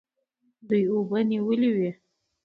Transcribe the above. دوی اوبه نیولې وې.